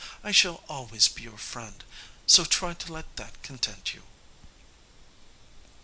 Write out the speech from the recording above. I shall always be your friend, so try to let that content you."